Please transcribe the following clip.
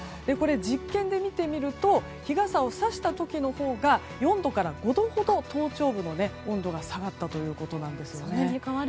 実験で見てみると日傘をさした時のほうが４度から５度ほど頭頂部の温度が下がったということです。